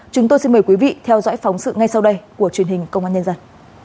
chúng tôi xin mời quý vị theo dõi phóng sự ngay sau đây của truyền hình công an nhân dân